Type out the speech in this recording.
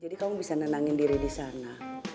jadi kamu bisa nenangin diri disana